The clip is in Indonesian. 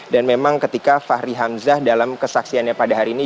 dan memang ketika fahri hamzah dalam kesaksiannya pada hari ini